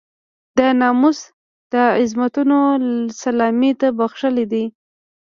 د ناموس د عظمتونو سلامي ته بخښلی دی.